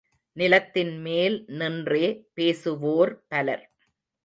நிலத்தின் மேல் நின்றே பேசுவோர் பலர்.